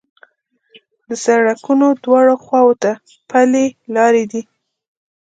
د سړکونو دواړو خواوو ته پلي لارې دي.